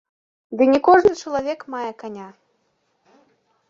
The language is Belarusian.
Ды не кожны чалавек мае каня.